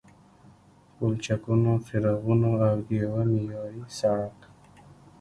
پلچکونو، څراغونو او د یوه معیاري سړک